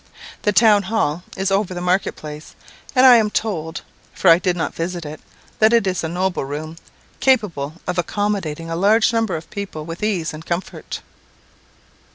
The town hall is over the market place, and I am told for I did not visit it that it is a noble room, capable of accommodating a large number of people with ease and comfort.